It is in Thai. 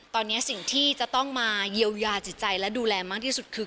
ตอนนี้สิ่งที่จะต้องมาเยียวยาจิตใจและดูแลมากที่สุดคือ